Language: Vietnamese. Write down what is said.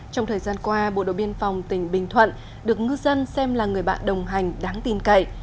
trong thời gian qua bộ đội biên phòng tỉnh bình thuận được ngư dân xem là người bạn đồng hành đáng tin cậy